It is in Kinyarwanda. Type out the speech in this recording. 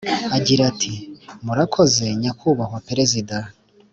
agira ati: «murakoze nyakubahwa perezida»,